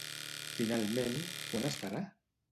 Finalment, quan es farà?